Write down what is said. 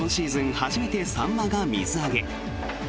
初めてサンマが水揚げ。